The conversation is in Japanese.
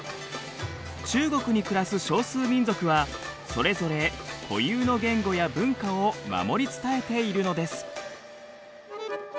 中国に暮らす少数民族はそれぞれ固有の言語や文化を守り伝えているのです。